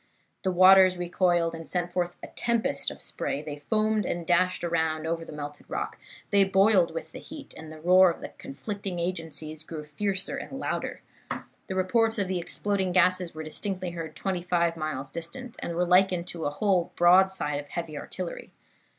The waters recoiled, and sent forth a tempest of spray; they foamed and dashed around and over the melted rock, they boiled with the heat, and the roar of the conflicting agencies grew fiercer and louder. The reports of the exploding gases were distinctly heard twenty five miles distant, and were likened to a whole broadside of heavy artillery.